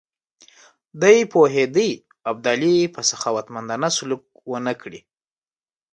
دی پوهېدی ابدالي به سخاوتمندانه سلوک ونه کړي.